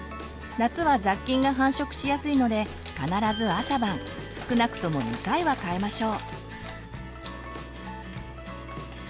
夏は雑菌が繁殖しやすいので必ず朝晩少なくとも２回は替えましょう。